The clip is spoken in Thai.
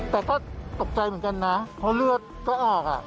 แต่ก็ตกใจเหมือนกันนะเพราะเลือดไม่ออก